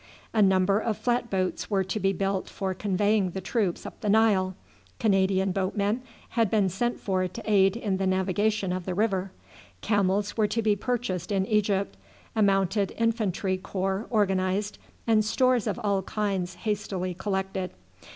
A number of flat boats were to be built for conveying the troops up the Nile. Canadian boatmen had been sent for to aid in the navigation of the river. Camels were to be purchased in Egypt, a mounted infantry corps organized, and stores of all kinds hastily collected.